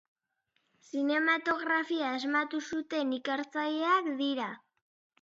Zinematografia asmatu zuten ikertzaileak dira.